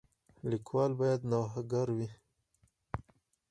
لیکوال باید نوښتګر وي.